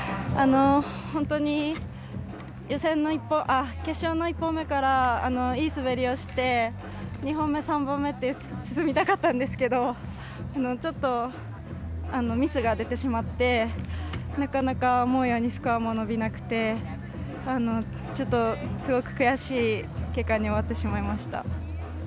本当に決勝の１本目からいい滑りをして２本目、３本目って進みたかったんですけどちょっとミスが出てしまってなかなか思うようにスコアも伸びなくてちょっと、すごく悔しい結果に終わってしまいました。